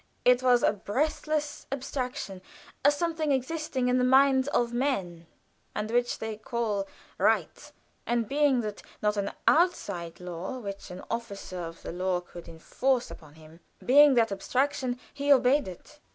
It was a breathless abstraction a something existing in the minds of men, and which they call "Right!" and being that not an outside law which an officer of the law could enforce upon him; being that abstraction, he obeyed it.